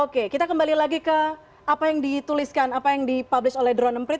oke kita kembali lagi ke apa yang dituliskan apa yang dipublish oleh drone emprit